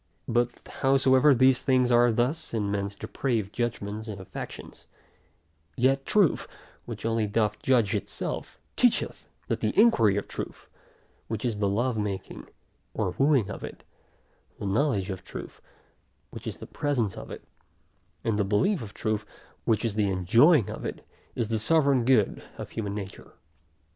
But howsoever these things are thus in men's depraved judgments, and affections, yet truth, which only doth judge itself, teacheth that the inquiry of truth, which is the love making, or wooing of it, the knowledge of truth, which is the presence of it, and the belief of truth, which is the enjoying of it, is the sovereign good of human nature.